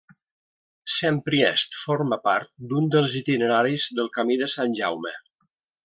Saint-Priest forma part d'un dels itineraris del Camí de Sant Jaume.